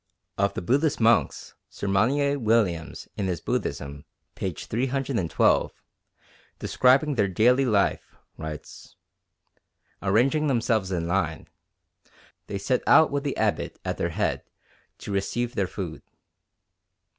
Of the Buddhist monks, Sir Monier Williams in his Buddhism, p. 312, describing their daily life, writes: "Arranging themselves in line, they set out with the abbot at their head to receive their food.